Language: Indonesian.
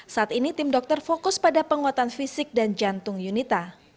saat ini tim dokter fokus pada penguatan fisik dan jantung yunita